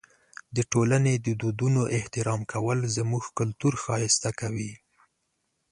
د ټولنې د دودونو احترام کول زموږ کلتور ښایسته کوي.